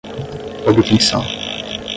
obtenção